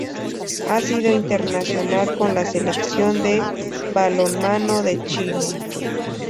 Ha sido internacional con la Selección de balonmano de Chile.